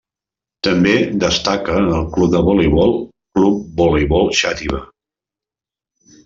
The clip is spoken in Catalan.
També destaca el club de voleibol, Club Voleibol Xàtiva.